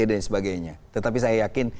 dan sebagainya tetapi saya yakin